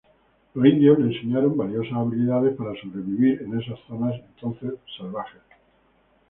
Los indios le enseñaron valiosas habilidades para sobrevivir en esas zonas entonces salvajes.